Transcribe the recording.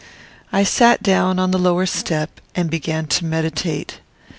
I sat down on the lower step and began to meditate.